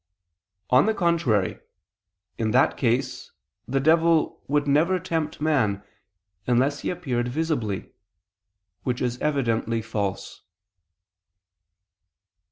On the contrary, In that case, the devil would never tempt man, unless he appeared visibly; which is evidently false.